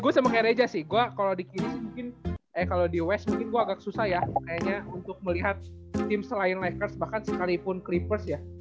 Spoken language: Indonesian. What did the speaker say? gue sama kayak reja sih gue kalo di west mungkin agak susah ya kayaknya untuk melihat tim selain lakers bahkan sekalipun creepers ya